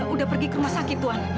udah pergi ke rumah sakit tuhan